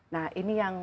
nah ini yang